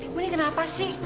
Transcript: bu ini kenapa sih